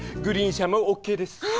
グリーン車もＯＫです。